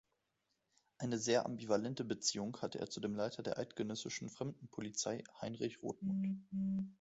Eine sehr ambivalente Beziehung hatte er zu dem Leiter der eidgenössischen Fremdenpolizei Heinrich Rothmund.